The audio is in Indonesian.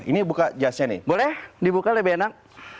ini buka jasnya nih boleh dibuka lebih enak